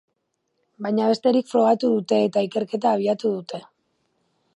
Baina besterik frogatu dute eta ikerketa abiatu dute.